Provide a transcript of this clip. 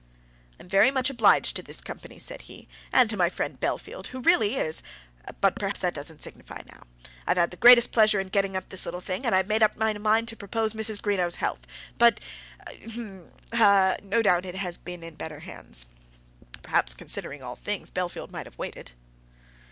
"I'm very much obliged to this company," said he, "and to my friend Bellfield, who really is, but perhaps that doesn't signify now. I've had the greatest pleasure in getting up this little thing, and I'd made up my mind to propose Mrs. Greenow's health; but, h'm, ha, no doubt it has been in better hands. Perhaps, considering all things, Bellfield might have waited."